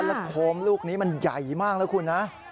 แล้วโคมลูกนี้มันใหญ่มากนะคุณนะ